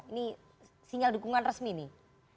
ini sinyal dukungan resmi nih